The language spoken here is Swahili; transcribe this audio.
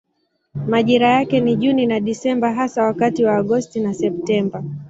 Majira yake ni Juni na Desemba hasa wakati wa Agosti na Septemba.